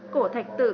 cổ thạch tự